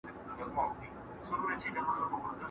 تا به وي کـــړے محبــــــت نه منـــــــم